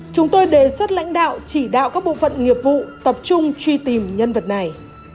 chúng tôi đề xuất lãnh đạo chỉ đạo các bộ phận nghiệp vụ tập trung truy tìm nhân vật này